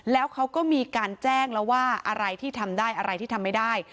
แล้วเขาก็มีการแจ้งแล้วว่าอะไรที่ทำได้อะไรที่ทำไม่ได้